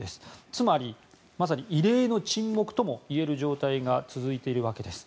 つまり、まさに異例の沈黙ともいえる状態が続いているわけです。